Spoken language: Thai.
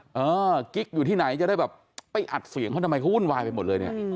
กิ๊กอยู่ที่ไหนจะได้แบบไปอัดเสียงเขาทำไมเขาวุ่นวายไปหมดเลยเนี่ย